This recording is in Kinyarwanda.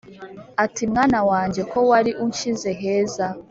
ati «mwana wanjye ko wari unshyize heza,